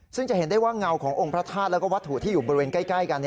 ซึ่งจะเห็นได้ว่าเงาขององค์พระธาตุแล้วก็วัตถุที่อยู่บริเวณใกล้กัน